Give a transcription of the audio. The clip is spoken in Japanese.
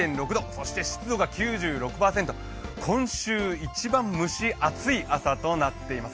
そして湿度が９６％、今週一番蒸し暑い朝となっています。